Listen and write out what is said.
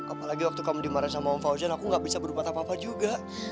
apalagi waktu kamu dimarahin sama om fauzan aku gak bisa berbuat apa apa juga